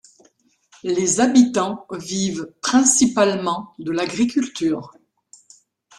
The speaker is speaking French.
Les habitants vivent principalement de l'agriculture.